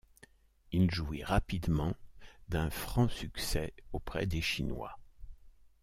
Il jouit rapidement d'un franc succès auprès des Chinois.